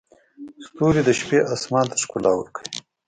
ستوري د شپې اسمان ته ښکلا ورکوي.